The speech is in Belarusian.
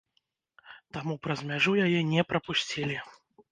Таму праз мяжу яе не прапусцілі.